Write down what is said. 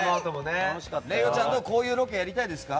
麗世ちゃんもこういうロケやりたいですか？